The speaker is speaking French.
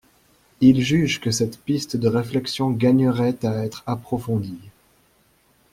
Ils jugent que cette piste de réflexion gagnerait à être approfondie.